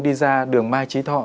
đi ra đường mai trí thọ